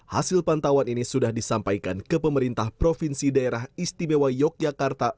hasil pantauan ini sudah disampaikan ke pemerintah provinsi daerah istimewa yogyakarta